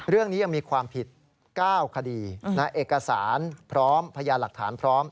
เรื่องนี้ยังมีความผิด๙คดีเอกสารพร้อมพยานหลักฐานพร้อม